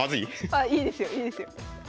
あいいですよいいですよ。